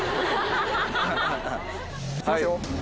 引きますよ。